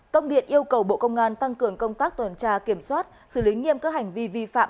công điện yêu cầu bộ công an tăng cường công tác tuần tra kiểm soát xử lý nghiêm các hành vi vi phạm